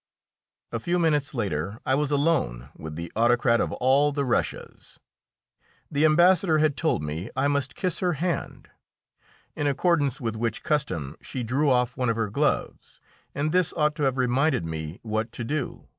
A few minutes later I was alone with the autocrat of all the Russias. The Ambassador had told me I must kiss her hand, in accordance with which custom she drew off one of her gloves, and this ought to have reminded me what to do.